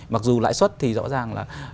mặc dù lãi suất thì rõ ràng là